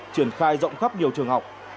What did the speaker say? triển khai rộng khắp nhiều trường học